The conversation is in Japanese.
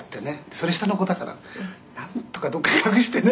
「それ下の子だからなんとかどこかへ隠してね」